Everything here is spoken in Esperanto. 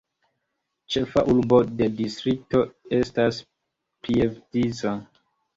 Ĉefa urbo de distrikto estas Prievidza.